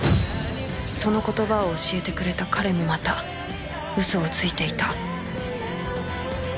その言葉を教えてくれた彼もまた嘘をついていた